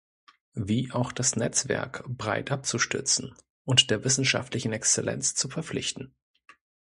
Wie auch das Netzwerk breit abzustützen und der wissenschaftlichen Exzellenz zu verpflichten.